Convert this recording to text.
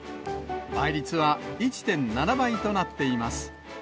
倍率は１．７倍となっています。